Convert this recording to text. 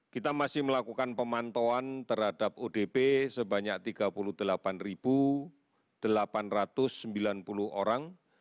kita masih melakukan pemantauan terhadap odp sebanyak tiga puluh delapan delapan ratus sembilan puluh orang